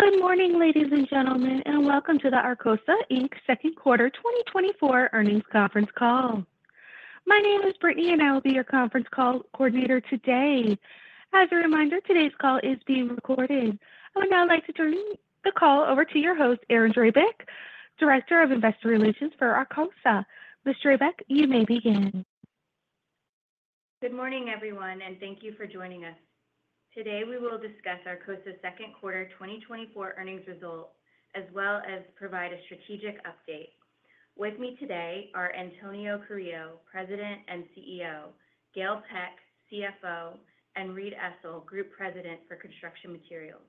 Good morning, ladies and gentlemen, and welcome to the Arcosa, Inc. Second Quarter 2024 earnings conference call. My name is Britney, and I will be your conference call coordinator today. As a reminder, today's call is being recorded. I would now like to turn the call over to your host, Erin Drabek, Director of Investor Relations for Arcosa. Ms. Drabek, you may begin. Good morning, everyone, and thank you for joining us. Today, we will discuss Arcosa's Second Quarter 2024 earnings results as well as provide a strategic update. With me today are Antonio Carrillo, President and CEO; Gail Peck, CFO; and Reid Essl, Group President for Construction Materials.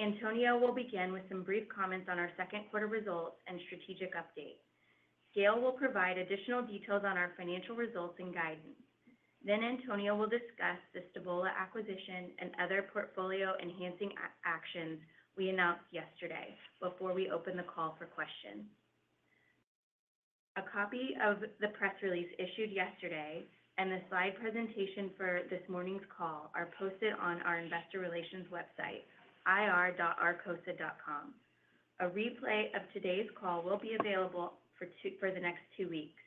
Antonio will begin with some brief comments on our Second Quarter results and strategic update. Gail will provide additional details on our financial results and guidance. Then Antonio will discuss the Stavola acquisition and other portfolio-enhancing actions we announced yesterday before we open the call for questions. A copy of the press release issued yesterday and the slide presentation for this morning's call are posted on our investor relations website, ir.arcosa.com. A replay of today's call will be available for the next two weeks.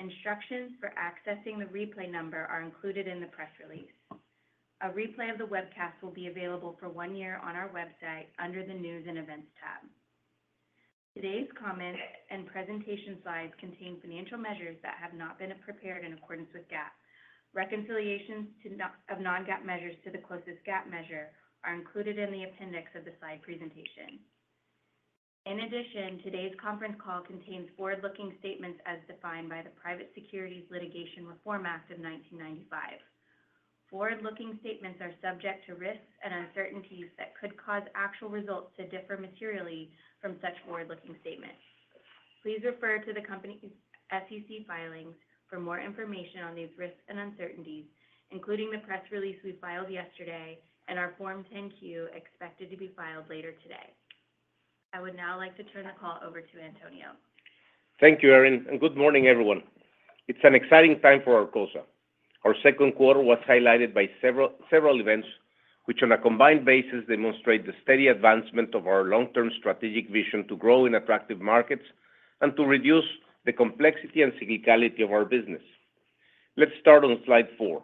Instructions for accessing the replay number are included in the press release. A replay of the webcast will be available for one year on our website under the News and Events tab. Today's comments and presentation slides contain financial measures that have not been prepared in accordance with GAAP. Reconciliations of non-GAAP measures to the closest GAAP measure are included in the appendix of the slide presentation. In addition, today's conference call contains forward-looking statements as defined by the Private Securities Litigation Reform Act of 1995. Forward-looking statements are subject to risks and uncertainties that could cause actual results to differ materially from such forward-looking statements. Please refer to the company's SEC filings for more information on these risks and uncertainties, including the press release we filed yesterday and our Form 10-Q expected to be filed later today. I would now like to turn the call over to Antonio. Thank you, Erin. Good morning, everyone. It's an exciting time for Arcosa. Our second quarter was highlighted by several events, which on a combined basis demonstrate the steady advancement of our long-term strategic vision to grow in attractive markets and to reduce the complexity and cyclicality of our business. Let's start on slide four.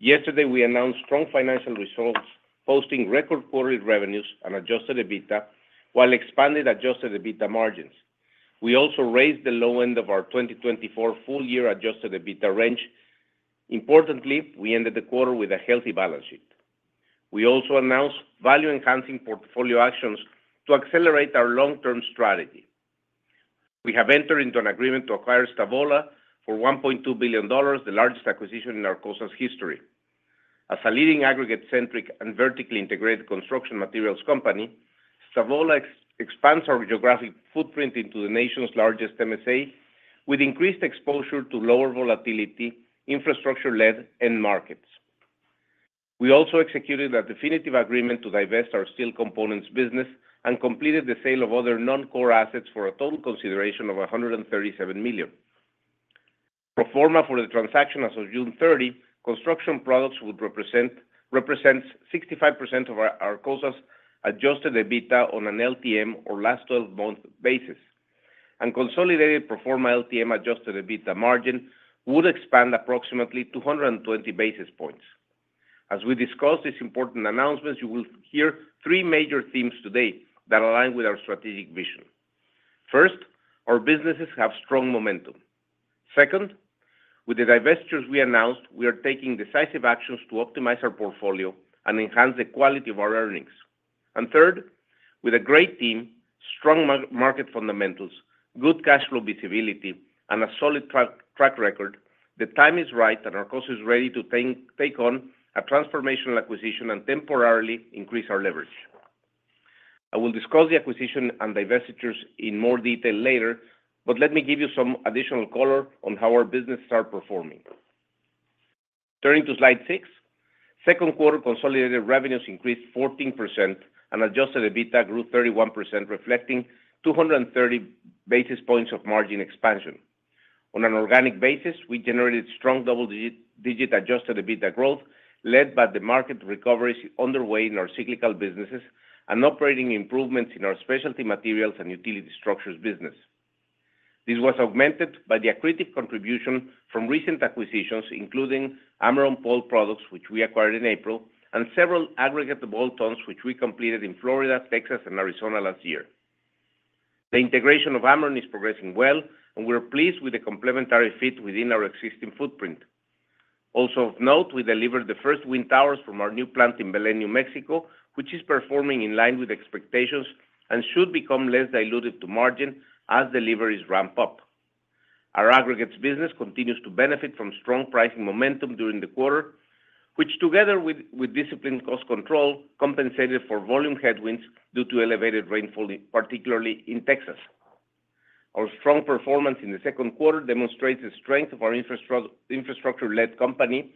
Yesterday, we announced strong financial results, posting record quarterly revenues and adjusted EBITDA while expanding adjusted EBITDA margins. We also raised the low end of our 2024 full-year adjusted EBITDA range. Importantly, we ended the quarter with a healthy balance sheet. We also announced value-enhancing portfolio actions to accelerate our long-term strategy. We have entered into an agreement to acquire Stavola for $1.2 billion, the largest acquisition in Arcosa's history. As a leading aggregate-centric and vertically integrated construction materials company, Stavola expands our geographic footprint into the nation's largest MSA, with increased exposure to lower volatility, infrastructure-led, and markets. We also executed a definitive agreement to divest our steel components business and completed the sale of other non-core assets for a total consideration of $137 million. Pro forma for the transaction as of June 30, construction products would represent 65% of Arcosa's adjusted EBITDA on an LTM or last 12-month basis. Consolidated pro forma LTM adjusted EBITDA margin would expand approximately 220 basis points. As we discussed these important announcements, you will hear three major themes today that align with our strategic vision. First, our businesses have strong momentum. Second, with the divestitures we announced, we are taking decisive actions to optimize our portfolio and enhance the quality of our earnings. And third, with a great team, strong market fundamentals, good cash flow visibility, and a solid track record, the time is right and Arcosa is ready to take on a transformational acquisition and temporarily increase our leverage. I will discuss the acquisition and divestitures in more detail later, but let me give you some additional color on how our businesses are performing. Turning to slide six, second quarter consolidated revenues increased 14% and adjusted EBITDA grew 31%, reflecting 230 basis points of margin expansion. On an organic basis, we generated strong double-digit adjusted EBITDA growth led by the market recoveries underway in our cyclical businesses and operating improvements in our specialty materials and utility structures business. This was augmented by the accretive contribution from recent acquisitions, including Ameron Pole Products, which we acquired in April, and several aggregate bolt-ons, which we completed in Florida, Texas, and Arizona last year. The integration of Ameron is progressing well, and we are pleased with the complementary fit within our existing footprint. Also, of note, we delivered the first wind towers from our new plant in Belen, New Mexico, which is performing in line with expectations and should become less diluted to margin as deliveries ramp up. Our aggregates business continues to benefit from strong pricing momentum during the quarter, which, together with disciplined cost control, compensated for volume headwinds due to elevated rainfall, particularly in Texas. Our strong performance in the second quarter demonstrates the strength of our infrastructure-led company,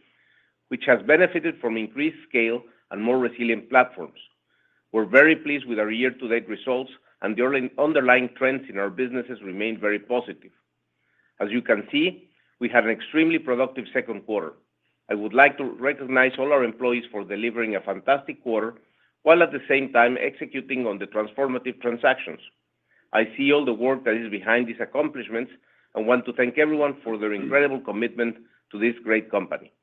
which has benefited from increased scale and more resilient platforms. We're very pleased with our year-to-date results, and the underlying trends in our businesses remain very positive. As you can see, we had an extremely productive second quarter. I would like to recognize all our employees for delivering a fantastic quarter while at the same time executing on the transformative transactions. I see all the work that is behind these accomplishments and want to thank everyone for their incredible commitment to this great company.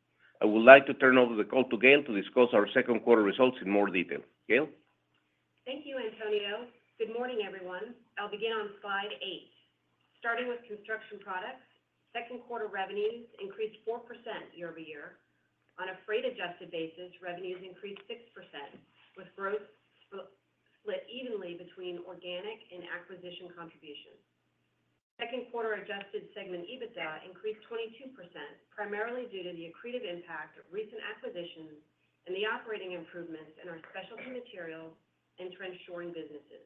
I would like to turn over the call to Gail to discuss our Second Quarter results in more detail. Gail? Thank you, Antonio. Good morning, everyone. I'll begin on slide eight. Starting with construction products, second quarter revenues increased 4% year-over-year. On a freight-adjusted basis, revenues increased 6%, with growth split evenly between organic and acquisition contributions. Second quarter adjusted segment EBITDA increased 22%, primarily due to the accretive impact of recent acquisitions and the operating improvements in our specialty materials and Trench Shoring businesses.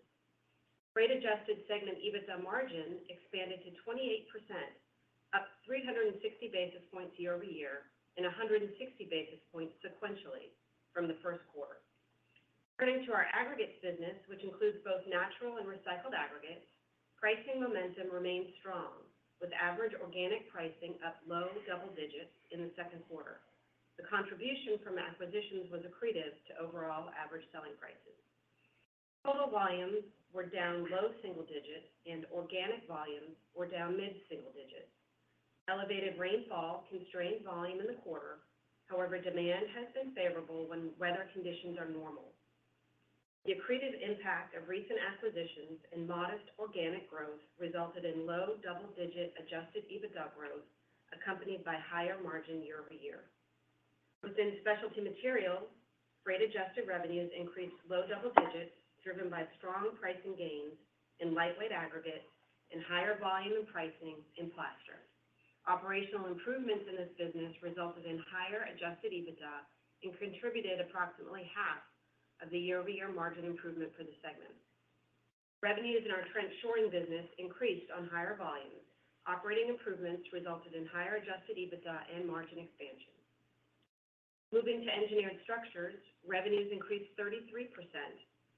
Freight-adjusted segment EBITDA margin expanded to 28%, up 360 basis points year-over-year and 160 basis points sequentially from the first quarter. Turning to our aggregates business, which includes both natural and recycled aggregates, pricing momentum remained strong, with average organic pricing up low double-digits in the second quarter. The contribution from acquisitions was accretive to overall average selling prices. Total volumes were down low single-digits, and organic volumes were down mid-single-digits. Elevated rainfall constrained volume in the quarter; however, demand has been favorable when weather conditions are normal. The accretive impact of recent acquisitions and modest organic growth resulted in low double-digit adjusted EBITDA growth, accompanied by higher margin year-over-year. Within specialty materials, freight-adjusted revenues increased low double-digits, driven by strong pricing gains in lightweight aggregates and higher volume and pricing in plaster. Operational improvements in this business resulted in higher adjusted EBITDA and contributed approximately half of the year-over-year margin improvement for the segment. Revenues in our Trench Shoring business increased on higher volumes. Operating improvements resulted in higher adjusted EBITDA and margin expansion. Moving to engineered structures, revenues increased 33%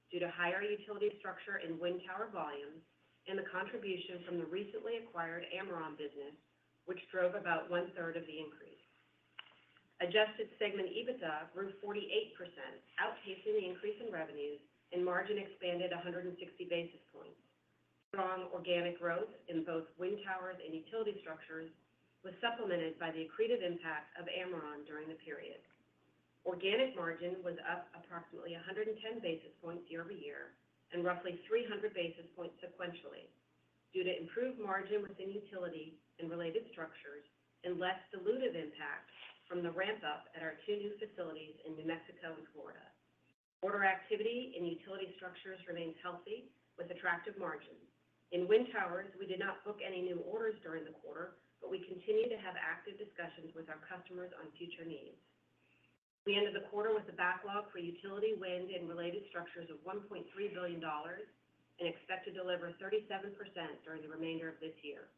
due to higher utility structure and wind tower volumes and the contribution from the recently acquired Ameron business, which drove about 1/3 of the increase. Adjusted segment EBITDA grew 48%, outpacing the increase in revenues, and margin expanded 160 basis points. Strong organic growth in both wind towers and utility structures was supplemented by the accretive impact of Ameron during the period. Organic margin was up approximately 110 basis points year-over-year and roughly 300 basis points sequentially due to improved margin within utility and related structures and less dilutive impact from the ramp-up at our two new facilities in New Mexico and Florida. Order activity in utility structures remains healthy with attractive margins. In wind towers, we did not book any new orders during the quarter, but we continue to have active discussions with our customers on future needs. We ended the quarter with a backlog for utility, wind, and related structures of $1.3 billion and expect to deliver 37% during the remainder of this year.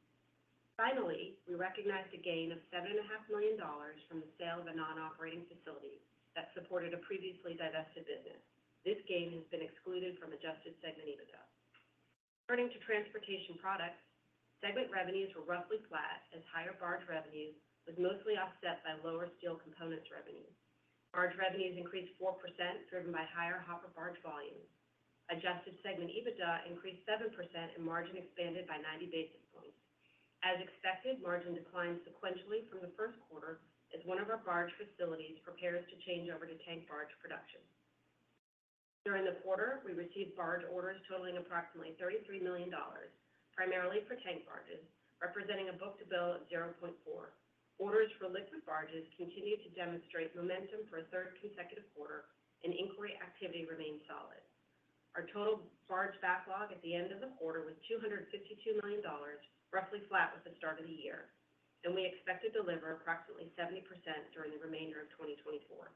Finally, we recognized a gain of $7.5 million from the sale of a non-operating facility that supported a previously divested business. This gain has been excluded from adjusted segment EBITDA. Turning to transportation products, segment revenues were roughly flat as higher barge revenues were mostly offset by lower steel components revenues. Barge revenues increased 4%, driven by higher hopper barge volumes. Adjusted segment EBITDA increased 7% and margin expanded by 90 basis points. As expected, margin declined sequentially from the first quarter as one of our barge facilities prepares to change over to tank barge production. During the quarter, we received barge orders totaling approximately $33 million, primarily for tank barges, representing a book-to-bill of 0.4. Orders for liquid barges continue to demonstrate momentum for a third consecutive quarter, and inquiry activity remains solid. Our total barge backlog at the end of the quarter was $252 million, roughly flat with the start of the year, and we expect to deliver approximately 70% during the remainder of 2024.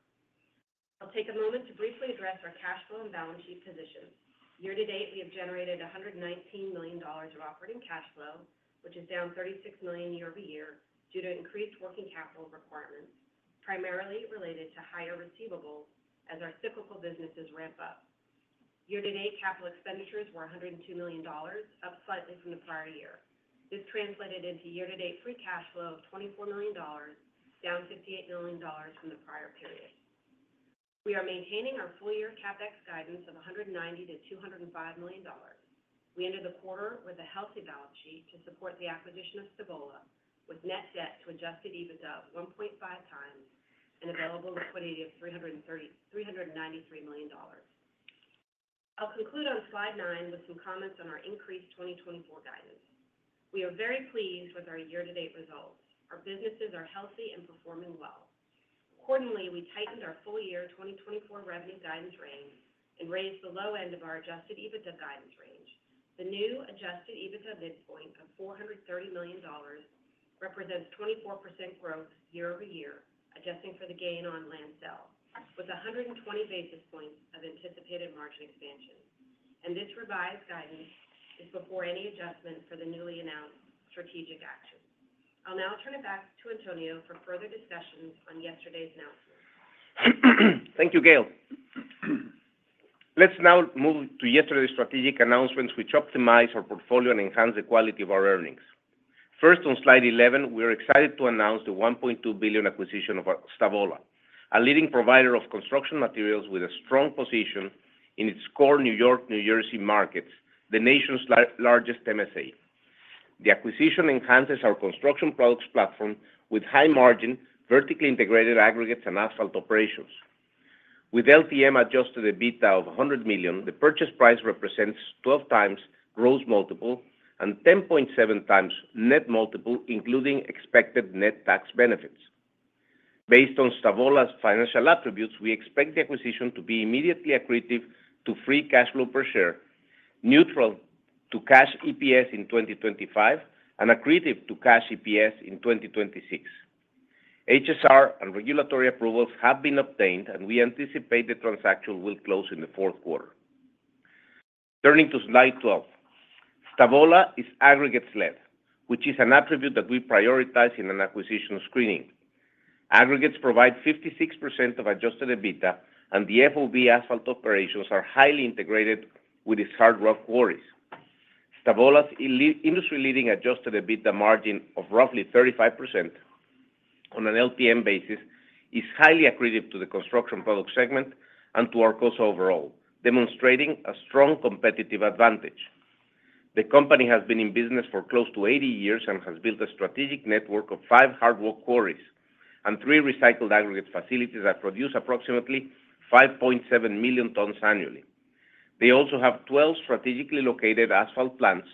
I'll take a moment to briefly address our cash flow and balance sheet positions. Year-to-date, we have generated $119 million of operating cash flow, which is down $36 million year-over-year due to increased working capital requirements, primarily related to higher receivables as our cyclical businesses ramp up. Year-to-date capital expenditures were $102 million, up slightly from the prior year. This translated into year-to-date free cash flow of $24 million, down $58 million from the prior period. We are maintaining our full-year CapEx guidance of $190 million-$205 million. We ended the quarter with a healthy balance sheet to support the acquisition of Stavola, with net debt to adjusted EBITDA of 1.5x and available liquidity of $393 million. I'll conclude on slide nine with some comments on our increased 2024 guidance. We are very pleased with our year-to-date results. Our businesses are healthy and performing well. Accordingly, we tightened our full-year 2024 revenue guidance range and raised the low end of our adjusted EBITDA guidance range. The new adjusted EBITDA midpoint of $430 million represents 24% growth year-over-year, adjusting for the gain on land sale, with 120 basis points of anticipated margin expansion. This revised guidance is before any adjustment for the newly announced strategic actions. I'll now turn it back to Antonio for further discussions on yesterday's announcements. Thank you, Gail. Let's now move to yesterday's strategic announcements, which optimized our portfolio and enhanced the quality of our earnings. First, on Slide 11, we are excited to announce the $1.2 billion acquisition of Stavola, a leading provider of construction materials with a strong position in its core New York, New Jersey markets, the nation's largest MSA. The acquisition enhances our construction products platform with high margin, vertically integrated aggregates and asphalt operations. With LTM adjusted EBITDA of $100 million, the purchase price represents 12x gross multiple and 10.7x net multiple, including expected net tax benefits. Based on Stavola's financial attributes, we expect the acquisition to be immediately accretive to free cash flow per share, neutral to cash EPS in 2025, and accretive to cash EPS in 2026. HSR and regulatory approvals have been obtained, and we anticipate the transaction will close in the fourth quarter. Turning to slide 12, Stavola is aggregates-led, which is an attribute that we prioritize in an acquisition screening. Aggregates provide 56% of adjusted EBITDA, and the FOB asphalt operations are highly integrated with its hard rock quarries. Stavola's industry-leading adjusted EBITDA margin of roughly 35% on an LTM basis is highly attributed to the construction product segment and to Arcosa overall, demonstrating a strong competitive advantage. The company has been in business for close to 80 years and has built a strategic network of five hard rock quarries and three recycled aggregate facilities that produce approximately 5.7 million tons annually. They also have 12 strategically located asphalt plants,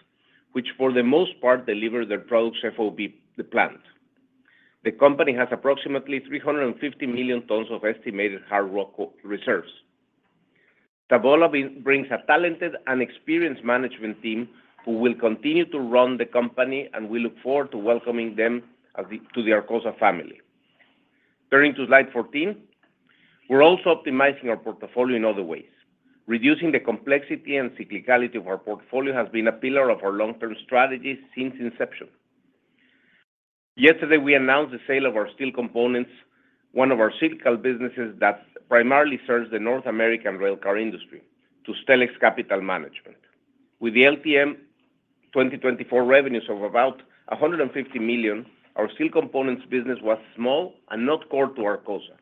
which for the most part deliver their products FOB to the plant. The company has approximately 350 million tons of estimated hard rock reserves. Stavola brings a talented and experienced management team who will continue to run the company, and we look forward to welcoming them to the Arcosa family. Turning to slide 14, we're also optimizing our portfolio in other ways. Reducing the complexity and cyclicality of our portfolio has been a pillar of our long-term strategy since inception. Yesterday, we announced the sale of our steel components, one of our cyclical businesses that primarily serves the North American railcar industry, to Stellex Capital Management. With the LTM 2024 revenues of about $150 million, our steel components business was small and not core to Arcosa.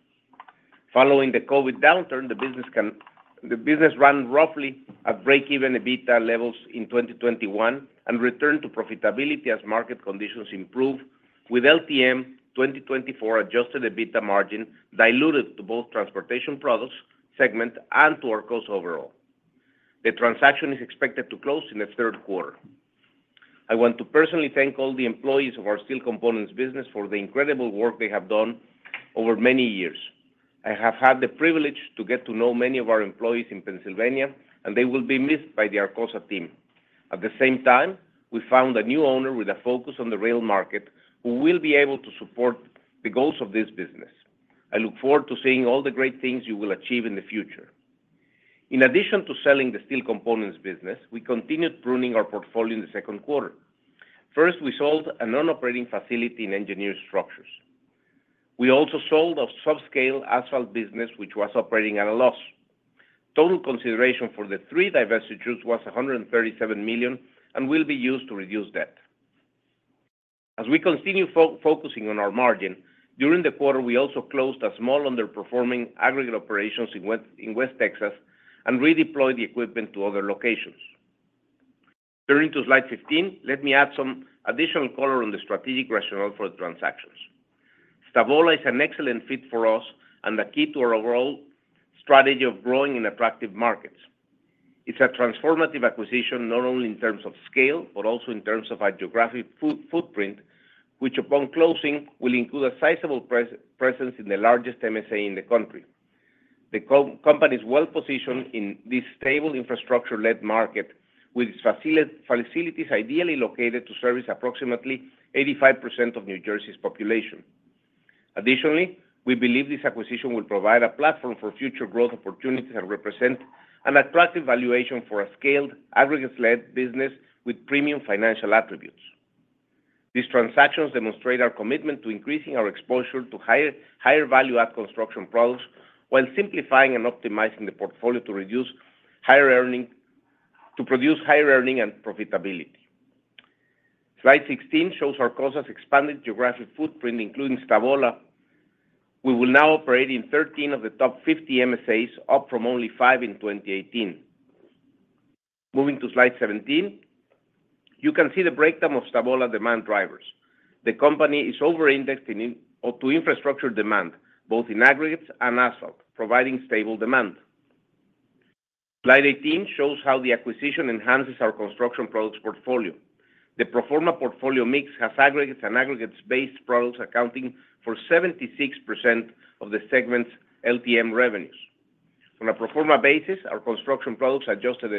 Following the COVID downturn, the business ran roughly at break-even EBITDA levels in 2021 and returned to profitability as market conditions improved, with LTM 2024 adjusted EBITDA margin diluted to both transportation products segment and to Arcosa overall. The transaction is expected to close in the third quarter. I want to personally thank all the employees of our steel components business for the incredible work they have done over many years. I have had the privilege to get to know many of our employees in Pennsylvania, and they will be missed by the Arcosa team. At the same time, we found a new owner with a focus on the rail market who will be able to support the goals of this business. I look forward to seeing all the great things you will achieve in the future. In addition to selling the steel components business, we continued pruning our portfolio in the second quarter. First, we sold a non-operating facility in engineered structures. We also sold a subscale asphalt business, which was operating at a loss. Total consideration for the three divestitures was $137 million and will be used to reduce debt. As we continue focusing on our margin, during the quarter, we also closed a small underperforming aggregate operations in West Texas and redeployed the equipment to other locations. Turning to slide 15, let me add some additional color on the strategic rationale for the transactions. Stavola is an excellent fit for us and a key to our overall strategy of growing in attractive markets. It's a transformative acquisition not only in terms of scale, but also in terms of our geographic footprint, which upon closing will include a sizable presence in the largest MSA in the country. The company is well-positioned in this stable infrastructure-led market, with its facilities ideally located to service approximately 85% of New Jersey's population. Additionally, we believe this acquisition will provide a platform for future growth opportunities and represent an attractive valuation for a scaled aggregates-led business with premium financial attributes. These transactions demonstrate our commitment to increasing our exposure to higher value-add construction products while simplifying and optimizing the portfolio to produce higher earnings and profitability. Slide 16 shows Arcosa's expanded geographic footprint, including Stavola. We will now operate in 13 of the top 50 MSAs, up from only five in 2018. Moving to slide 17, you can see the breakdown of Stavola demand drivers. The company is over-indexed to infrastructure demand, both in aggregates and asphalt, providing stable demand. Slide 18 shows how the acquisition enhances our construction products portfolio. The pro forma portfolio mix has aggregates and aggregates-based products accounting for 76% of the segment's LTM revenues. On a pro forma basis, our construction products adjusted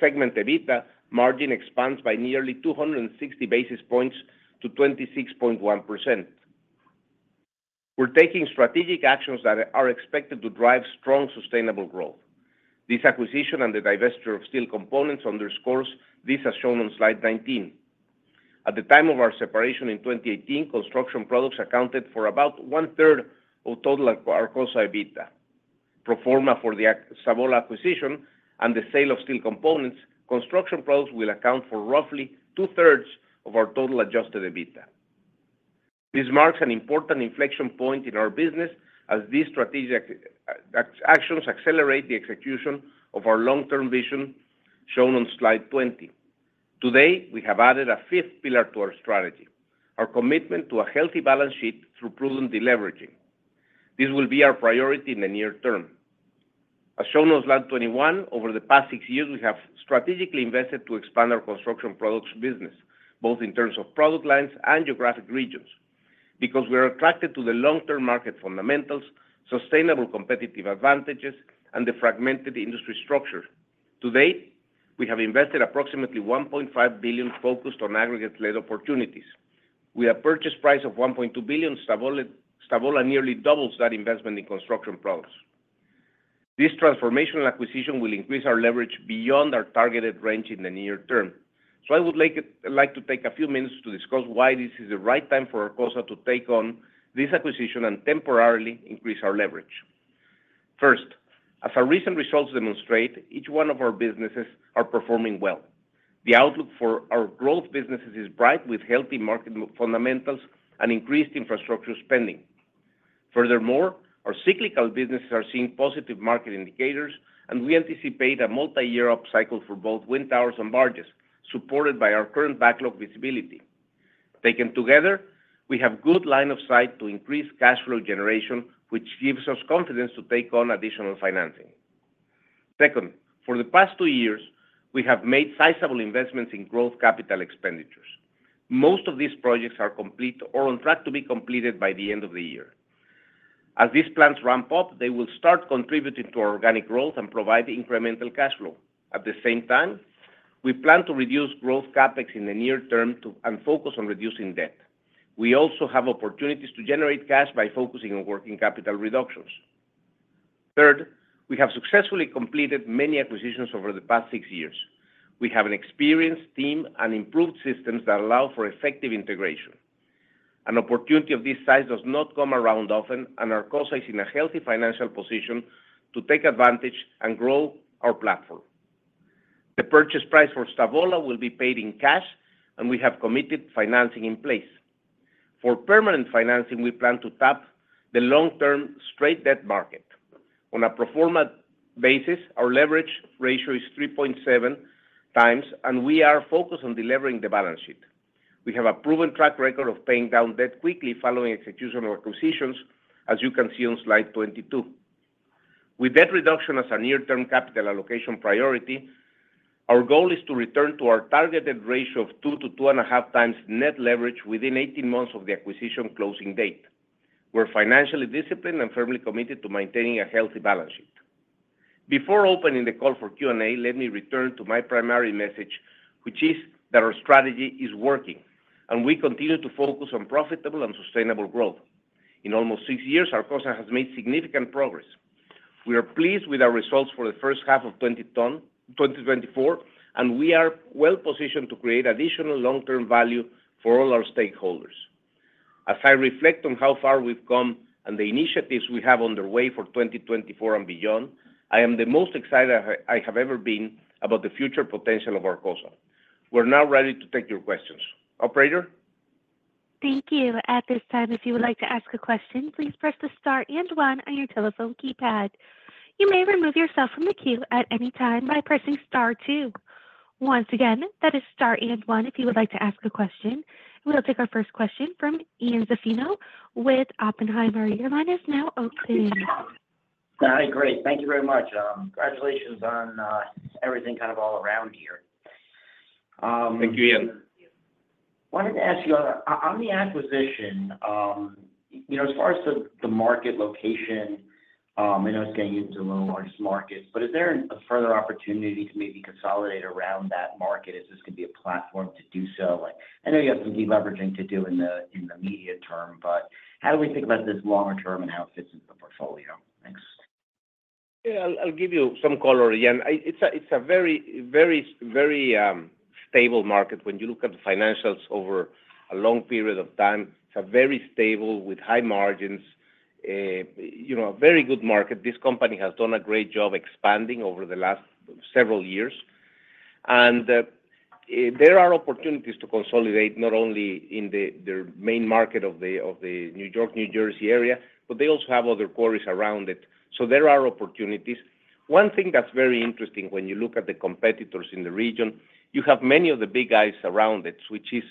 segment EBITDA margin expands by nearly 260 basis points to 26.1%. We're taking strategic actions that are expected to drive strong sustainable growth. This acquisition and the divestiture of steel components underscores this, as shown on slide 19. At the time of our separation in 2018, construction products accounted for about one-third of total Arcosa EBITDA. Pro forma for the Stavola acquisition and the sale of steel components, construction products will account for roughly 2/3 of our total adjusted EBITDA. This marks an important inflection point in our business as these strategic actions accelerate the execution of our long-term vision, shown on slide 20. Today, we have added a fifth pillar to our strategy: our commitment to a healthy balance sheet through prudent deleveraging. This will be our priority in the near term. As shown on slide 21, over the past six years, we have strategically invested to expand our construction products business, both in terms of product lines and geographic regions, because we are attracted to the long-term market fundamentals, sustainable competitive advantages, and the fragmented industry structure. To date, we have invested approximately $1.5 billion focused on aggregates-led opportunities. With a purchase price of $1.2 billion, Stavola nearly doubles that investment in construction products. This transformational acquisition will increase our leverage beyond our targeted range in the near term. So I would like to take a few minutes to discuss why this is the right time for Arcosa to take on this acquisition and temporarily increase our leverage. First, as our recent results demonstrate, each one of our businesses is performing well. The outlook for our growth businesses is bright, with healthy market fundamentals and increased infrastructure spending. Furthermore, our cyclical businesses are seeing positive market indicators, and we anticipate a multi-year up cycle for both wind towers and barges, supported by our current backlog visibility. Taken together, we have a good line of sight to increase cash flow generation, which gives us confidence to take on additional financing. Second, for the past two years, we have made sizable investments in growth capital expenditures. Most of these projects are complete or on track to be completed by the end of the year. As these plans ramp up, they will start contributing to our organic growth and provide incremental cash flow. At the same time, we plan to reduce growth CapEx in the near term and focus on reducing debt. We also have opportunities to generate cash by focusing on working capital reductions. Third, we have successfully completed many acquisitions over the past six years. We have an experienced team and improved systems that allow for effective integration. An opportunity of this size does not come around often, and Arcosa is in a healthy financial position to take advantage and grow our platform. The purchase price for Stavola will be paid in cash, and we have committed financing in place. For permanent financing, we plan to tap the long-term straight debt market. On a pro forma basis, our leverage ratio is 3.7x, and we are focused on delivering the balance sheet. We have a proven track record of paying down debt quickly following execution of acquisitions, as you can see on slide 22. With debt reduction as our near-term capital allocation priority, our goal is to return to our targeted ratio of 2x-2.5x net leverage within 18 months of the acquisition closing date. We're financially disciplined and firmly committed to maintaining a healthy balance sheet. Before opening the call for Q&A, let me return to my primary message, which is that our strategy is working, and we continue to focus on profitable and sustainable growth. In almost six years, Arcosa has made significant progress. We are pleased with our results for the first half of 2024, and we are well-positioned to create additional long-term value for all our stakeholders. As I reflect on how far we've come and the initiatives we have underway for 2024 and beyond, I am the most excited I have ever been about the future potential of Arcosa. We're now ready to take your questions. Operator? Thank you. At this time, if you would like to ask a question, please press the Star and one on your telephone keypad. You may remove yourself from the queue at any time by pressing Star two. Once again, that is Star and one if you would like to ask a question. We'll take our first question from Ian Zaffino with Oppenheimer. Now, open. Hi, Greg. Thank you very much. Congratulations on everything kind of all around here. Thank you, Ian. Wanted to ask you, on the acquisition, as far as the market location, I know it's getting into one of the largest markets, but is there a further opportunity to maybe consolidate around that market as this could be a platform to do so? I know you have some deleveraging to do in the medium term, but how do we think about this longer term and how it fits into the portfolio? Thanks. Yeah, I'll give you some color, Ian. It's a very, very, very stable market. When you look at the financials over a long period of time, it's very stable with high margins, a very good market. This company has done a great job expanding over the last several years. And there are opportunities to consolidate not only in their main market of the New York, New Jersey area, but they also have other quarries around it. So there are opportunities. One thing that's very interesting when you look at the competitors in the region, you have many of the big guys around it, which is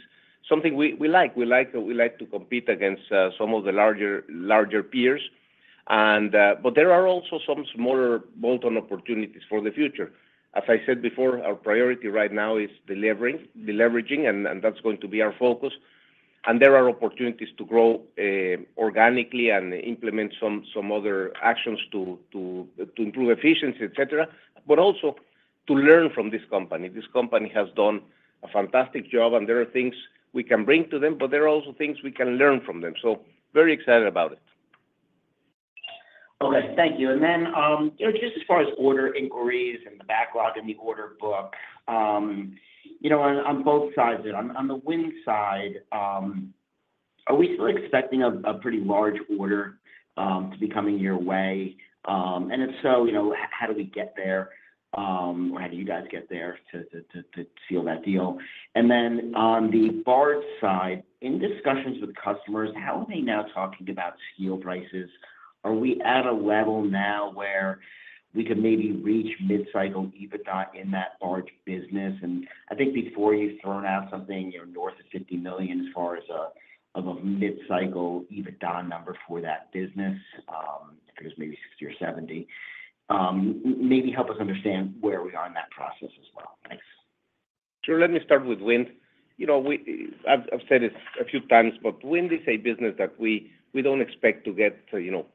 something we like. We like to compete against some of the larger peers. But there are also some smaller bolt-on opportunities for the future. As I said before, our priority right now is delivering, deleveraging, and that's going to be our focus. There are opportunities to grow organically and implement some other actions to improve efficiency, et cetera, but also to learn from this company. This company has done a fantastic job, and there are things we can bring to them, but there are also things we can learn from them. Very excited about it. Okay. Thank you. And then just as far as order inquiries and the backlog in the order book, on both sides of it, on the wind side, are we still expecting a pretty large order to be coming your way? And if so, how do we get there? Or how do you guys get there to seal that deal? And then on the barge side, in discussions with customers, how are they now talking about steel prices? Are we at a level now where we could maybe reach mid-cycle EBITDA in that barge business? And I think before you throw out something north of $50 million as far as a mid-cycle EBITDA number for that business, if it was maybe 60 or 70, maybe help us understand where we are in that process as well. Thanks. So let me start with wind. I've said it a few times, but wind is a business that we don't expect to get $10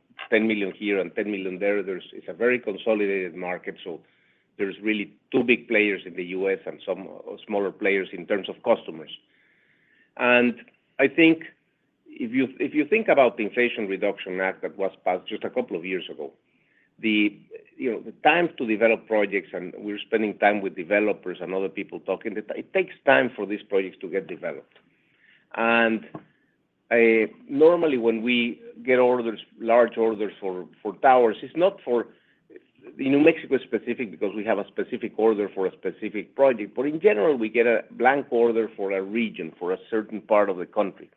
million here and $10 million there. It's a very consolidated market. So there's really two big players in the U.S. and some smaller players in terms of customers. And I think if you think about the Inflation Reduction Act that was passed just a couple of years ago, the time to develop projects and we're spending time with developers and other people talking, it takes time for these projects to get developed. And normally when we get orders, large orders for towers, it's not for New Mexico specific because we have a specific order for a specific project, but in general, we get a blank order for a region, for a certain part of the country.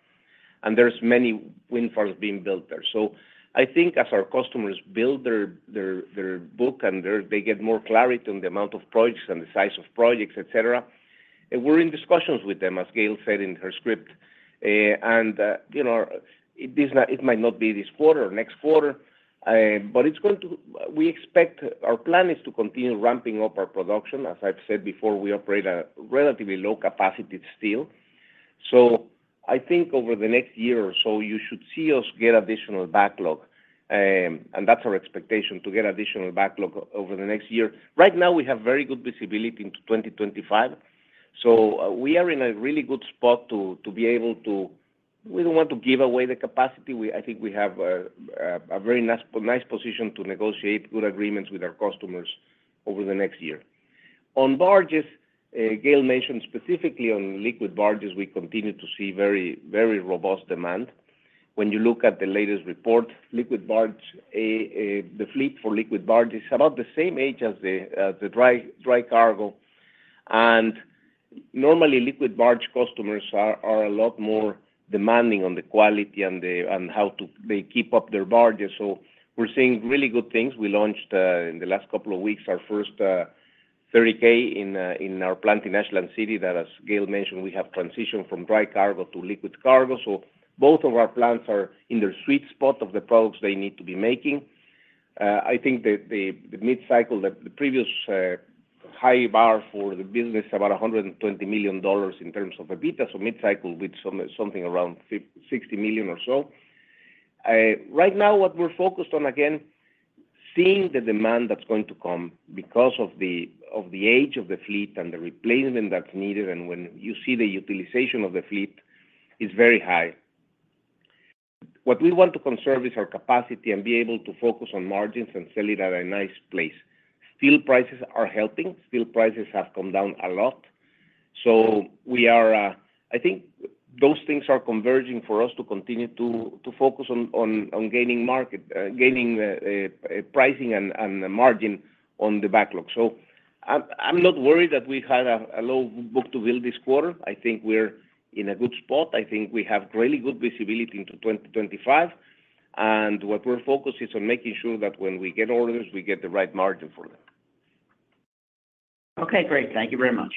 And there's many wind farms being built there. So I think as our customers build their book and they get more clarity on the amount of projects and the size of projects, et cetera, we're in discussions with them, as Gail said in her script. And it might not be this quarter or next quarter, but we expect our plan is to continue ramping up our production. As I've said before, we operate at a relatively low capacity still. So I think over the next year or so, you should see us get additional backlog. And that's our expectation, to get additional backlog over the next year. Right now, we have very good visibility into 2025. So we are in a really good spot to be able to. We don't want to give away the capacity. I think we have a very nice position to negotiate good agreements with our customers over the next year. On barges, Gail mentioned specifically on liquid barges, we continue to see very robust demand. When you look at the latest report, the fleet for liquid barges is about the same age as the dry cargo. And normally, liquid barge customers are a lot more demanding on the quality and how they keep up their barges. So we're seeing really good things. We launched in the last couple of weeks our first 30K in our plant in Ashland City that, as Gail mentioned, we have transitioned from dry cargo to liquid cargo. So both of our plants are in their sweet spot of the products they need to be making. I think the mid-cycle, the previous high bar for the business is about $120 million in terms of EBITDA. So mid-cycle with something around $60 million or so. Right now, what we're focused on, again, seeing the demand that's going to come because of the age of the fleet and the replacement that's needed. When you see the utilization of the fleet, it's very high. What we want to conserve is our capacity and be able to focus on margins and sell it at a nice place. Steel prices are helping. Steel prices have come down a lot. So I think those things are converging for us to continue to focus on gaining pricing and margin on the backlog. So I'm not worried that we had a low book-to-bill this quarter. I think we're in a good spot. I think we have really good visibility into 2025. And what we're focused on is making sure that when we get orders, we get the right margin for them. Okay, great. Thank you very much.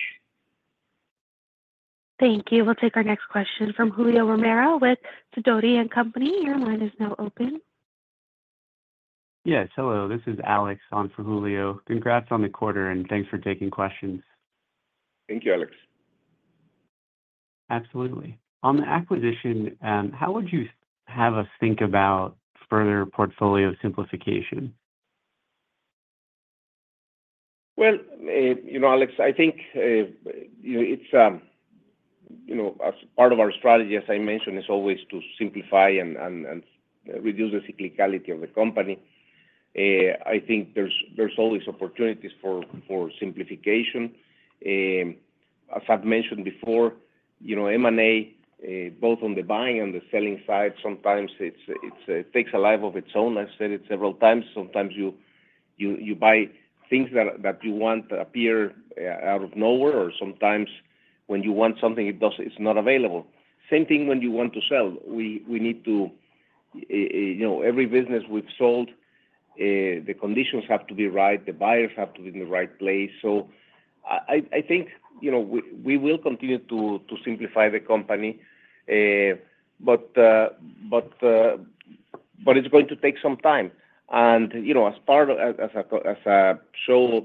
Thank you. We'll take our next question from Julio Romero with Sidoti & Company. Your line is now open. Yes. Hello. This is Alex on for Julio. Congrats on the quarter, and thanks for taking questions. Thank you, Alex. Absolutely. On the acquisition, how would you have us think about further portfolio simplification? Well, Alex, I think it's part of our strategy, as I mentioned, is always to simplify and reduce the cyclicality of the company. I think there's always opportunities for simplification. As I've mentioned before, M&A, both on the buying and the selling side, sometimes it takes a life of its own. I've said it several times. Sometimes you buy things that you want to appear out of nowhere, or sometimes when you want something, it's not available. Same thing when you want to sell. We need to. Every business we've sold, the conditions have to be right. The buyers have to be in the right place. So I think we will continue to simplify the company, but it's going to take some time. And as a show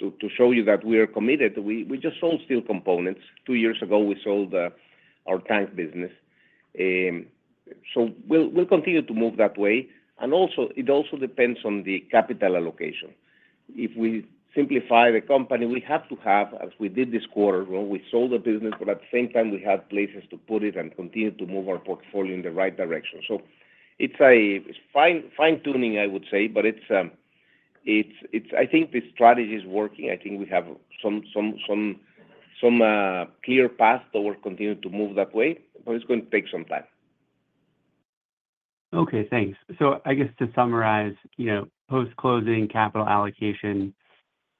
to show you that we are committed, we just sold steel components. Two years ago, we sold our tank business. So we'll continue to move that way. It also depends on the capital allocation. If we simplify the company, we have to have, as we did this quarter, we sold the business, but at the same time, we had places to put it and continue to move our portfolio in the right direction. It's fine-tuning, I would say, but I think the strategy is working. I think we have some clear path that we'll continue to move that way, but it's going to take some time. Okay. Thanks. So I guess to summarize, post-closing capital allocation,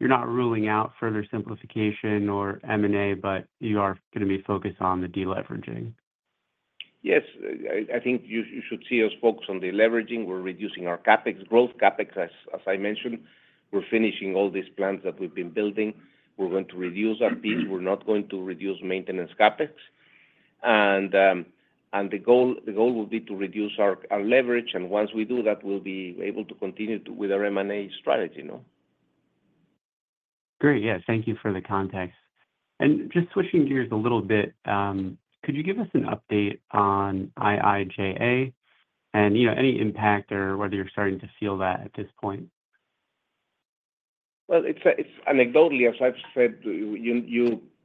you're not ruling out further simplification or M&A, but you are going to be focused on the deleveraging? Yes. I think you should see us focus on the leveraging. We're reducing our CapEx growth. CapEx, as I mentioned, we're finishing all these plants that we've been building. We're going to reduce our fees. We're not going to reduce maintenance CapEx. And the goal will be to reduce our leverage. And once we do that, we'll be able to continue with our M&A strategy. Great. Yes. Thank you for the context. And just switching gears a little bit, could you give us an update on IIJA and any impact or whether you're starting to feel that at this point? Well, anecdotally, as I've said,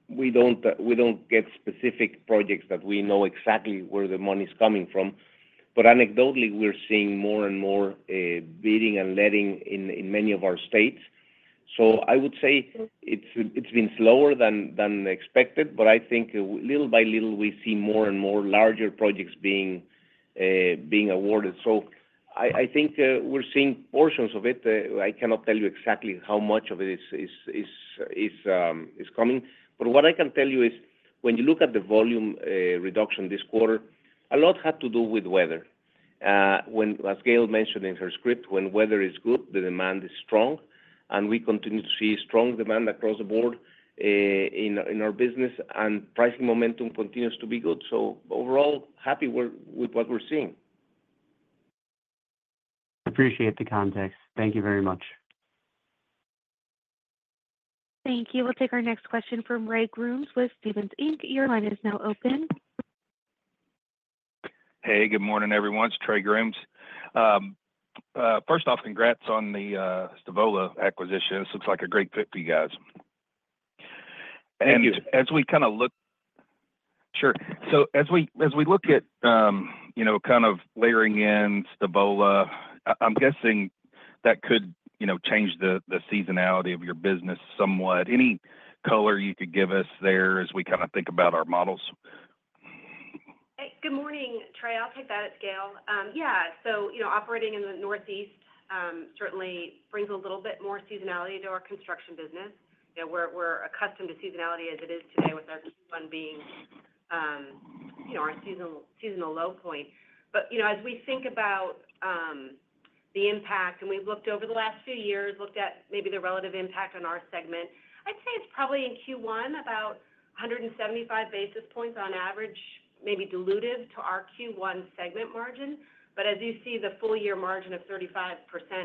we don't get specific projects that we know exactly where the money's coming from. But anecdotally, we're seeing more and more bidding and letting in many of our states. So I would say it's been slower than expected, but I think little by little, we see more and more larger projects being awarded. So I think we're seeing portions of it. I cannot tell you exactly how much of it is coming. But what I can tell you is when you look at the volume reduction this quarter, a lot had to do with weather. As Gail mentioned in her script, when weather is good, the demand is strong. And we continue to see strong demand across the board in our business, and pricing momentum continues to be good. So overall, happy with what we're seeing. Appreciate the context. Thank you very much. Thank you. We'll take our next question from Trey Grooms with Stephens Inc. Your line is now open. Hey, good morning, everyone. It's Trey Grooms. First off, congrats on the Stavola acquisition. This looks like a great fit for you guys. Thank you. As we kind of look, sure. So as we look at kind of layering in Stavola, I'm guessing that could change the seasonality of your business somewhat. Any color you could give us there as we kind of think about our models? Good morning, Trey. I'll take that, it's Gail. Yeah. So operating in the northeast certainly brings a little bit more seasonality to our construction business. We're accustomed to seasonality as it is today with our Q1 being our seasonal low point. But as we think about the impact, and we've looked over the last few years, looked at maybe the relative impact on our segment, I'd say it's probably in Q1 about 175 basis points on average, maybe dilutive to our Q1 segment margin. But as you see the full-year margin of 35%,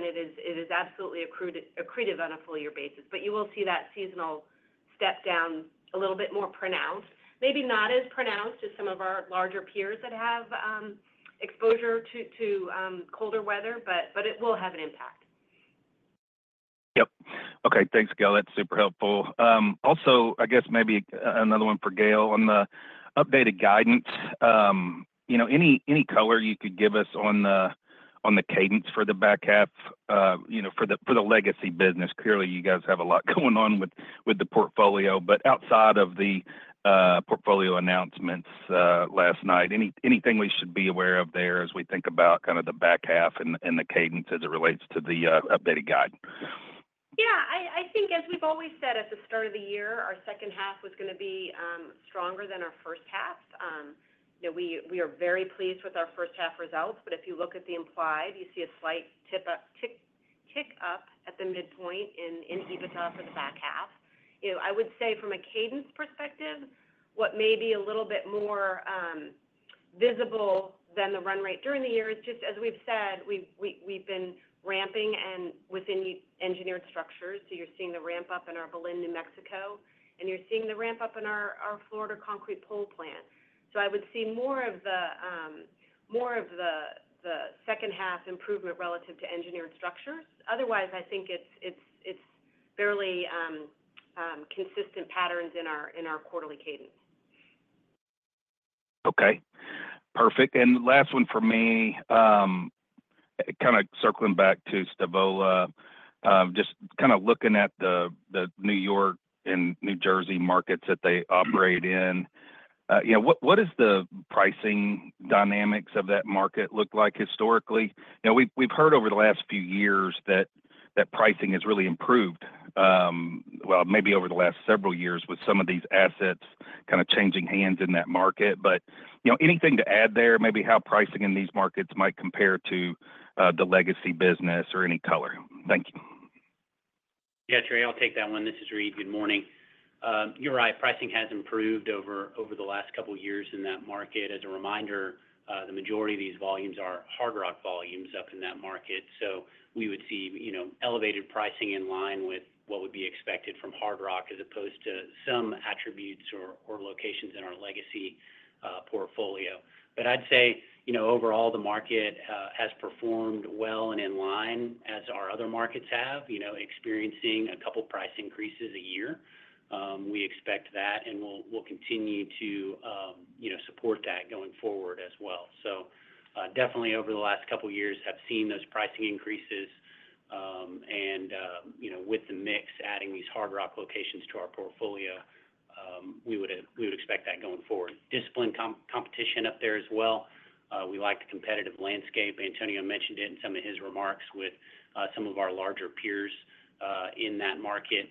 it is absolutely accretive on a full-year basis. But you will see that seasonal step down a little bit more pronounced. Maybe not as pronounced as some of our larger peers that have exposure to colder weather, but it will have an impact. Yep. Okay. Thanks, Gail. That's super helpful. Also, I guess maybe another one for Gail on the updated guidance. Any color you could give us on the cadence for the back half for the legacy business? Clearly, you guys have a lot going on with the portfolio, but outside of the portfolio announcements last night, anything we should be aware of there as we think about kind of the back half and the cadence as it relates to the updated guide? Yeah. I think as we've always said at the start of the year, our second half was going to be stronger than our first half. We are very pleased with our first half results. But if you look at the implied, you see a slight tick up at the midpoint in EBITDA for the back half. I would say from a cadence perspective, what may be a little bit more visible than the run rate during the year is just, as we've said, we've been ramping within engineered structures. So you're seeing the ramp up in our Belen, New Mexico, and you're seeing the ramp up in our Florida concrete pole plant. So I would see more of the second half improvement relative to engineered structures. Otherwise, I think it's fairly consistent patterns in our quarterly cadence. Okay. Perfect. And last one for me, kind of circling back to Stavola, just kind of looking at the New York and New Jersey markets that they operate in, what does the pricing dynamics of that market look like historically? We've heard over the last few years that pricing has really improved, well, maybe over the last several years with some of these assets kind of changing hands in that market. But anything to add there, maybe how pricing in these markets might compare to the legacy business or any color? Thank you. Yeah, Trey, I'll take that one. This is Reid. Good morning. You're right. Pricing has improved over the last couple of years in that market. As a reminder, the majority of these volumes are hard rock volumes up in that market. So we would see elevated pricing in line with what would be expected from hard rock as opposed to some attributes or locations in our legacy portfolio. But I'd say overall, the market has performed well and in line as our other markets have, experiencing a couple of price increases a year. We expect that, and we'll continue to support that going forward as well. So definitely, over the last couple of years, have seen those pricing increases. And with the mix adding these hard rock locations to our portfolio, we would expect that going forward. Disciplined competition up there as well. We like the competitive landscape. Antonio mentioned it in some of his remarks with some of our larger peers in that market.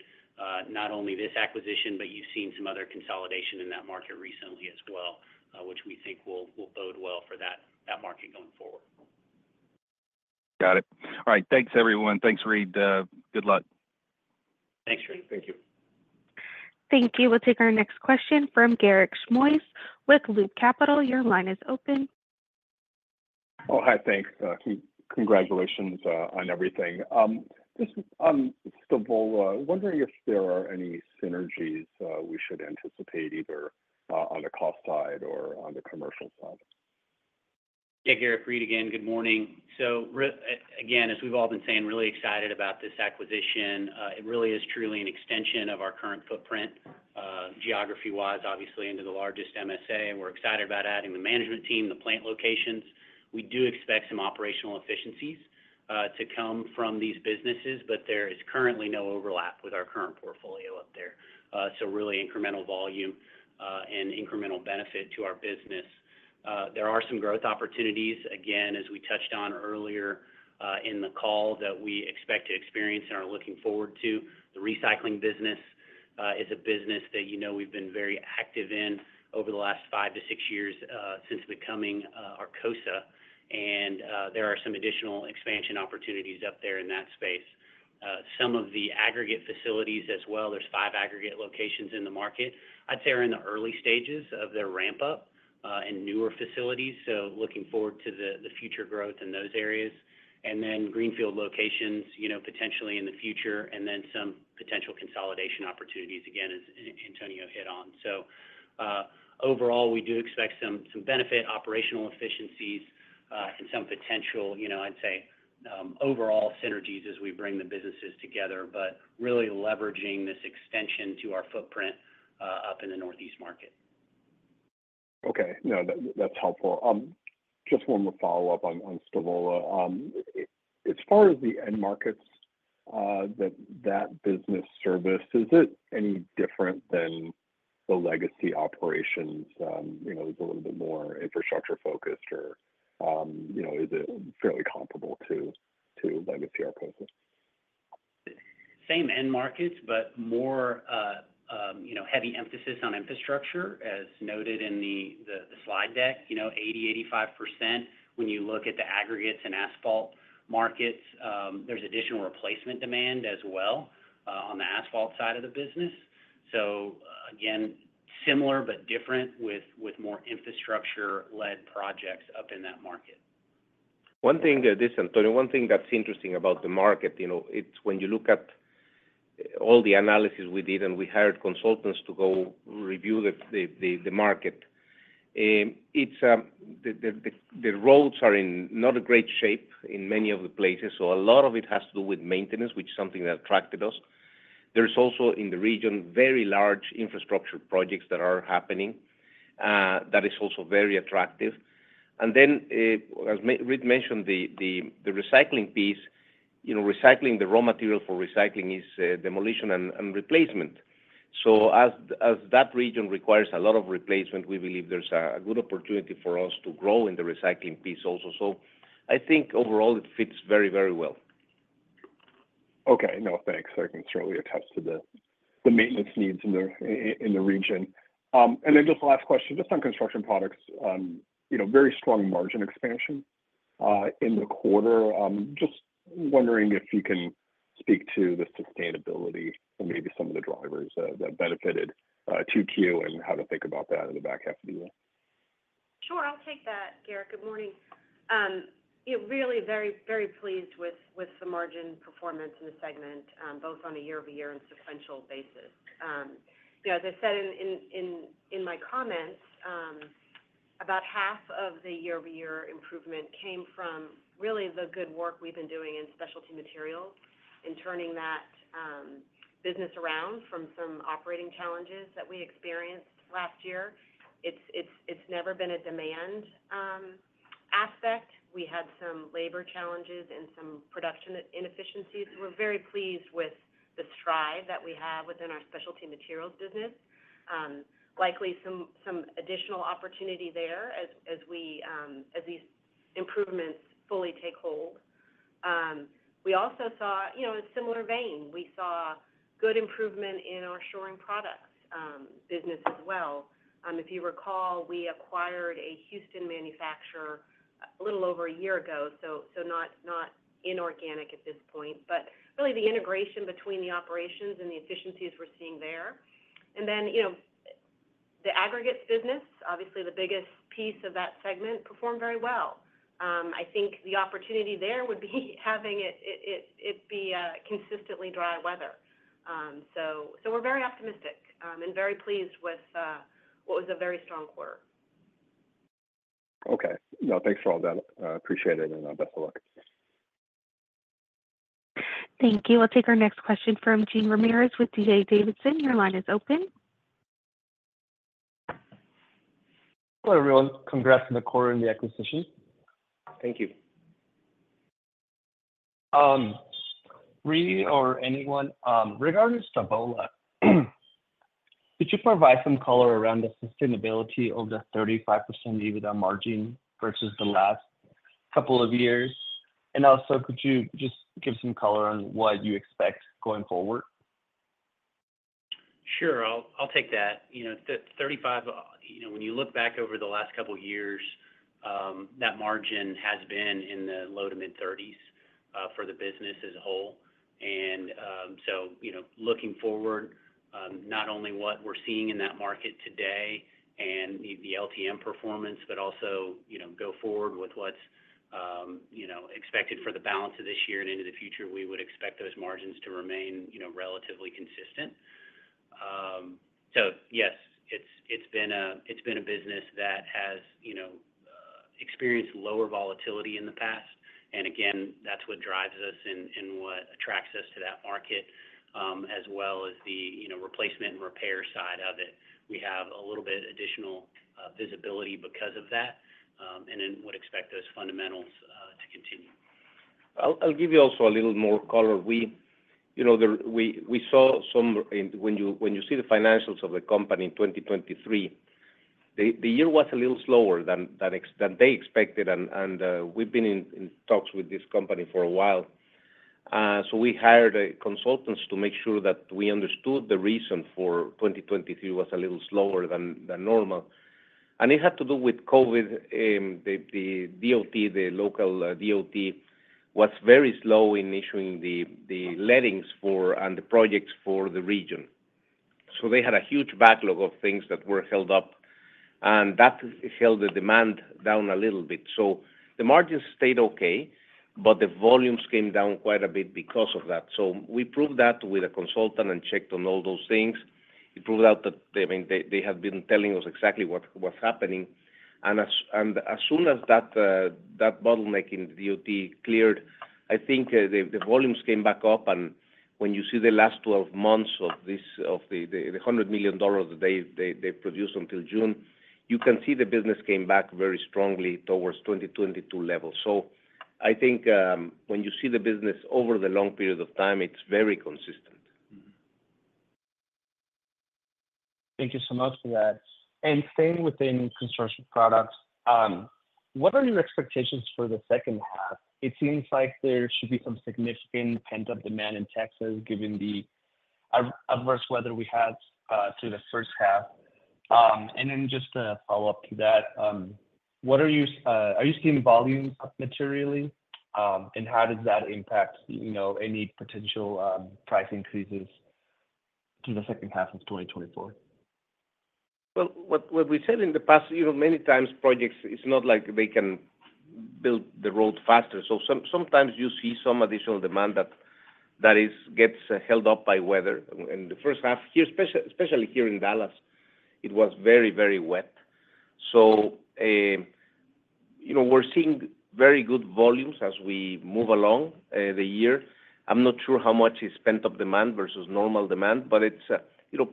Not only this acquisition, but you've seen some other consolidation in that market recently as well, which we think will bode well for that market going forward. Got it. All right. Thanks, everyone. Thanks, Reid. Good luck. Thanks, Trey. Thank you. Thank you. We'll take our next question from Garik Shmois with Loop Capital. Your line is open. Oh, hi. Thanks. Congratulations on everything. On Stavola, wondering if there are any synergies we should anticipate either on the cost side or on the commercial side? Yeah, Garik. Reid again. Good morning. So again, as we've all been saying, really excited about this acquisition. It really is truly an extension of our current footprint, geography-wise, obviously into the largest MSA. We're excited about adding the management team, the plant locations. We do expect some operational efficiencies to come from these businesses, but there is currently no overlap with our current portfolio up there. So really incremental volume and incremental benefit to our business. There are some growth opportunities, again, as we touched on earlier in the call that we expect to experience and are looking forward to. The recycling business is a business that we've been very active in over the last five to six years since becoming Arcosa. And there are some additional expansion opportunities up there in that space. Some of the aggregate facilities as well, there's five aggregate locations in the market. I'd say we're in the early stages of their ramp-up and newer facilities. So looking forward to the future growth in those areas. And then greenfield locations potentially in the future, and then some potential consolidation opportunities, again, as Antonio hit on. So overall, we do expect some benefit, operational efficiencies, and some potential, I'd say, overall synergies as we bring the businesses together, but really leveraging this extension to our footprint up in the northeast market. Okay. No, that's helpful. Just one more follow-up on Stavola. As far as the end markets that that business services, is it any different than the legacy operations? Is it a little bit more infrastructure-focused, or is it fairly comparable to legacy Arcosa? Same end markets, but more heavy emphasis on infrastructure, as noted in the slide deck. 80%-85% when you look at the aggregates and asphalt markets, there's additional replacement demand as well on the asphalt side of the business. So again, similar but different with more infrastructure-led projects up in that market. One thing there, this is Antonio. One thing that's interesting about the market, it's when you look at all the analysis we did, and we hired consultants to go review the market. The roads are in not a great shape in many of the places. So a lot of it has to do with maintenance, which is something that attracted us. There's also in the region very large infrastructure projects that are happening. That is also very attractive. And then, as Reid mentioned, the recycling piece, recycling the raw material for recycling is demolition and replacement. So as that region requires a lot of replacement, we believe there's a good opportunity for us to grow in the recycling piece also. So I think overall, it fits very, very well. Okay. No, thanks. I can certainly attest to the maintenance needs in the region. And then just the last question, just on construction products, very strong margin expansion in the quarter. Just wondering if you can speak to the sustainability and maybe some of the drivers that benefited 2Q and how to think about that in the back half of the year? Sure. I'll take that, Garik. Good morning. Really very, very pleased with the margin performance in the segment, both on a year-over-year and sequential basis. As I said in my comments, about half of the year-over-year improvement came from really the good work we've been doing in specialty materials and turning that business around from some operating challenges that we experienced last year. It's never been a demand aspect. We had some labor challenges and some production inefficiencies. We're very pleased with the stride that we have within our specialty materials business. Likely some additional opportunity there as these improvements fully take hold. We also saw, in a similar vein, we saw good improvement in our shoring products business as well. If you recall, we acquired a Houston manufacturer a little over a year ago, so not inorganic at this point, but really the integration between the operations and the efficiencies we're seeing there. And then the aggregates business, obviously the biggest piece of that segment, performed very well. I think the opportunity there would be having it be consistently dry weather. So we're very optimistic and very pleased with what was a very strong quarter. Okay. No, thanks for all that. Appreciate it and best of luck. Thank you. We'll take our next question from Jean Ramirez with D.A. Davidson. Your line is open. Hello, everyone. Congrats on the quarter and the acquisition. Thank you. Reid or anyone, regarding Stavola, could you provide some color around the sustainability of the 35% EBITDA margin versus the last couple of years? And also, could you just give some color on what you expect going forward? Sure. I'll take that. The 35, when you look back over the last couple of years, that margin has been in the low to mid-30s for the business as a whole. And so looking forward, not only what we're seeing in that market today and the LTM performance, but also go forward with what's expected for the balance of this year and into the future, we would expect those margins to remain relatively consistent. So yes, it's been a business that has experienced lower volatility in the past. And again, that's what drives us and what attracts us to that market, as well as the replacement and repair side of it. We have a little bit additional visibility because of that, and then would expect those fundamentals to continue. I'll give you also a little more color. We saw some when you see the financials of the company in 2023, the year was a little slower than they expected. And we've been in talks with this company for a while. So we hired consultants to make sure that we understood the reason for 2023 was a little slower than normal. And it had to do with COVID. The DOT, the local DOT, was very slow in issuing the lettings and the projects for the region. So they had a huge backlog of things that were held up, and that held the demand down a little bit. So the margins stayed okay, but the volumes came down quite a bit because of that. So we proved that with a consultant and checked on all those things. It proved out that, I mean, they had been telling us exactly what's happening. As soon as that bottleneck in the DOT cleared, I think the volumes came back up. When you see the last 12 months of the $100 million that they produced until June, you can see the business came back very strongly towards 2022 levels. I think when you see the business over the long period of time, it's very consistent. Thank you so much for that. And staying within construction products, what are your expectations for the second half? It seems like there should be some significant pent-up demand in Texas given the adverse weather we had through the first half. And then just to follow up to that, what are you seeing volumes materially, and how does that impact any potential price increases through the second half of 2024? Well, what we said in the past, many times projects, it's not like they can build the road faster. So sometimes you see some additional demand that gets held up by weather. And the first half, especially here in Dallas, it was very, very wet. So we're seeing very good volumes as we move along the year. I'm not sure how much is pent-up demand versus normal demand, but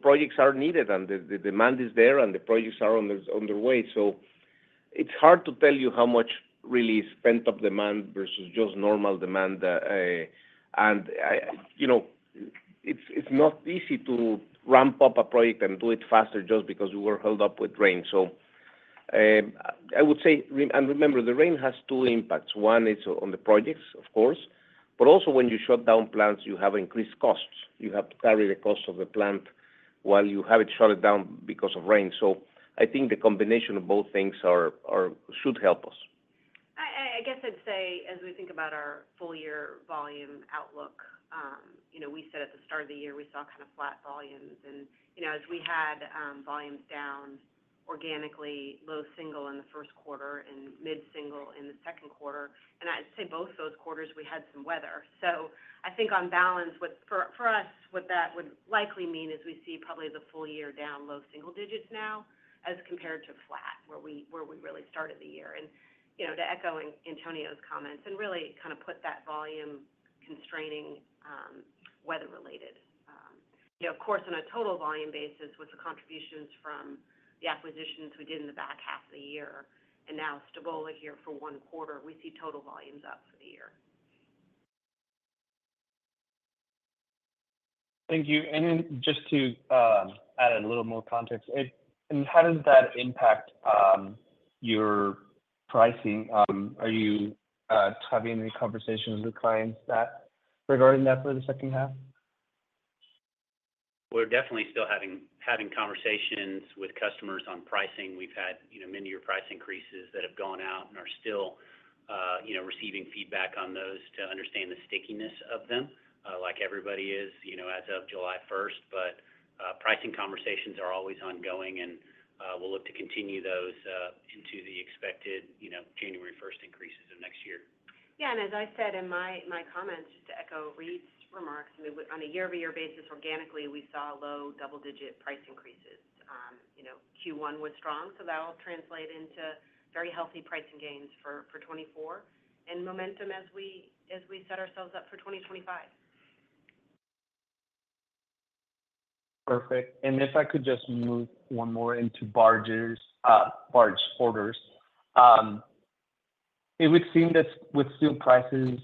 projects are needed, and the demand is there, and the projects are on their way. So it's hard to tell you how much really is pent-up demand versus just normal demand. And it's not easy to ramp up a project and do it faster just because you were held up with rain. So I would say, and remember, the rain has two impacts. One is on the projects, of course, but also when you shut down plants, you have increased costs. You have to carry the cost of the plant while you have it shut down because of rain. I think the combination of both things should help us. I guess I'd say, as we think about our full-year volume outlook, we said at the start of the year, we saw kind of flat volumes. And as we had volumes down organically, low single in the first quarter and mid-single in the second quarter. And I'd say both those quarters, we had some weather. So I think on balance, for us, what that would likely mean is we see probably the full year down low single-digits now as compared to flat, where we really started the year. And to echo Antonio's comments and really kind of put that volume constraining weather-related. Of course, on a total volume basis, with the contributions from the acquisitions we did in the back half of the year and now Stavola here for one quarter, we see total volumes up for the year. Thank you. And then just to add a little more context, how does that impact your pricing? Are you having any conversations with clients regarding that for the second half? We're definitely still having conversations with customers on pricing. We've had mid-year price increases that have gone out and are still receiving feedback on those to understand the stickiness of them, like everybody is as of July 1st. But pricing conversations are always ongoing, and we'll look to continue those into the expected January 1st increases of next year. Yeah. And as I said in my comments, just to echo Reid's remarks, on a year-over-year basis, organically, we saw low double-digit price increases. Q1 was strong, so that'll translate into very healthy pricing gains for 2024 and momentum as we set ourselves up for 2025. Perfect. If I could just move one more into barge orders, it would seem that with steel prices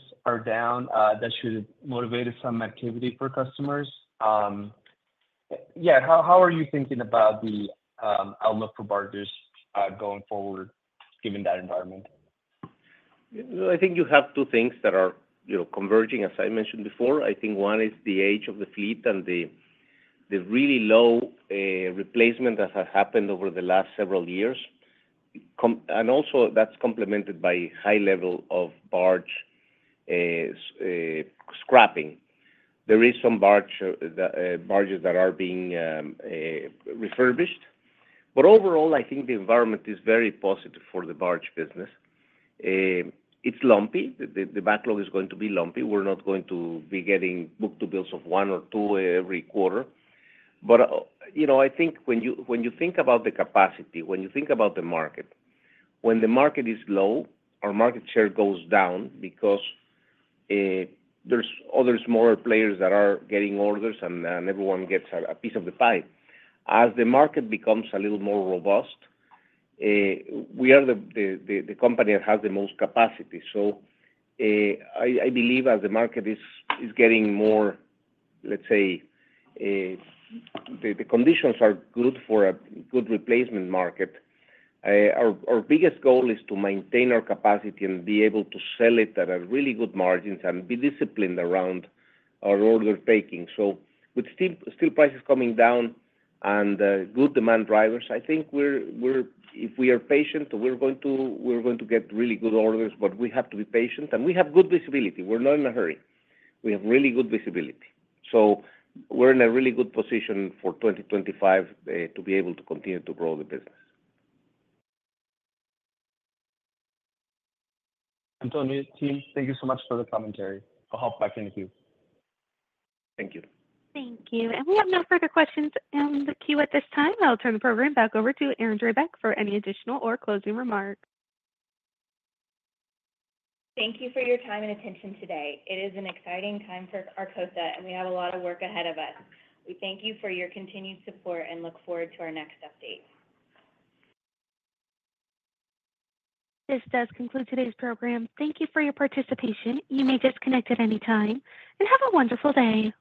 down, that should motivate some activity for customers. Yeah. How are you thinking about the outlook for barges going forward, given that environment? Well, I think you have two things that are converging, as I mentioned before. I think one is the age of the fleet and the really low replacement that has happened over the last several years. And also, that's complemented by high level of barge scrapping. There are some barges that are being refurbished. But overall, I think the environment is very positive for the barge business. It's lumpy. The backlog is going to be lumpy. We're not going to be getting book-to-bills of one or two every quarter. But I think when you think about the capacity, when you think about the market, when the market is low, our market share goes down because there are other smaller players that are getting orders, and everyone gets a piece of the pie. As the market becomes a little more robust, we are the company that has the most capacity. So I believe as the market is getting more, let's say, the conditions are good for a good replacement market, our biggest goal is to maintain our capacity and be able to sell it at really good margins and be disciplined around our order taking. So with steel prices coming down and good demand drivers, I think if we are patient, we're going to get really good orders, but we have to be patient. And we have good visibility. We're not in a hurry. We have really good visibility. So we're in a really good position for 2025 to be able to continue to grow the business. Antonio, team, thank you so much for the commentary. I'll hop back in the queue. Thank you. Thank you. We have no further questions in the queue at this time. I'll turn the program back over to Erin Drabek for any additional or closing remarks. Thank you for your time and attention today. It is an exciting time for Arcosa, and we have a lot of work ahead of us. We thank you for your continued support and look forward to our next update. This does conclude today's program. Thank you for your participation. You may disconnect at any time, and have a wonderful day.